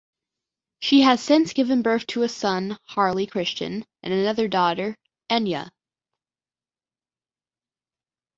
She has since given birth to a son, Harley Christian, and another daughter, Enya.